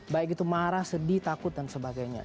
baik itu marah sedih takut dan sebagainya